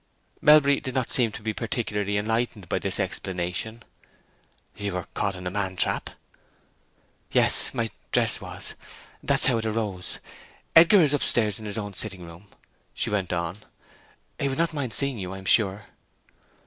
Melbury did not seem to be particularly enlightened by this explanation. "You were caught in a man trap?" "Yes; my dress was. That's how it arose. Edgar is up stairs in his own sitting room," she went on. "He would not mind seeing you, I am sure."